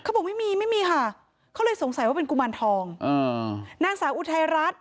บอกไม่มีไม่มีค่ะเขาเลยสงสัยว่าเป็นกุมารทองอ่านางสาวอุทัยรัฐ